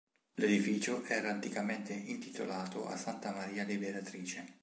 L'edificio era anticamente intitolato a Santa Maria Liberatrice.